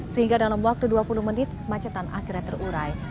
sehingga dalam waktu dua puluh menit macetan akhirnya terurai